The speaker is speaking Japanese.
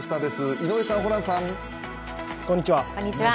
井上さん、ホランさん。